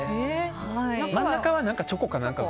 真ん中はチョコか何か？